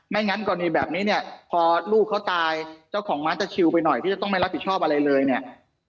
งั้นกรณีแบบนี้เนี่ยพอลูกเขาตายเจ้าของม้าจะชิวไปหน่อยที่จะต้องไม่รับผิดชอบอะไรเลยเนี่ย